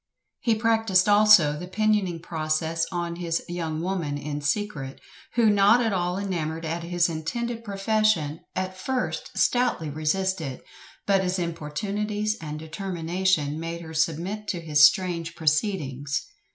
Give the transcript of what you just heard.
He practised also the pinioning process on his "young woman" in secret; who, not at all enamoured at his intended profession, at first stoutly resisted, but his importunities and determination made her submit to his strange proceedings.